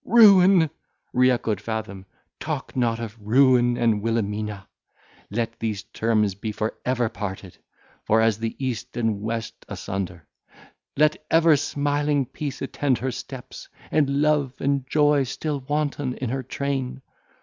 —"Ruin!" re echoed Fathom, "talk not of ruin and Wilhelmina! let these terms be for ever parted, far as the east and west asunder! let ever smiling peace attend her steps, and love and joy still wanton in her train!